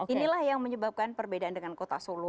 inilah yang menyebabkan perbedaan dengan kota solo